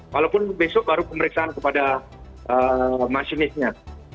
walaupun besok baru pemeriksaan kepada masinisnya